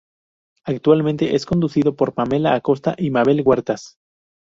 Actualmente es conducido por Pamela Acosta y Mabel Huertas.